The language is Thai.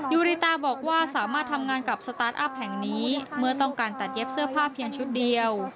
ยูริตาบอกว่าสามารถทำงานกับสตาร์ทอัพแห่งนี้เมื่อต้องการตัดเย็บเสื้อผ้าเพียงชุดเดียว